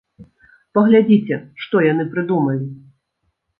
Паглядзіце, што яны прыдумалі!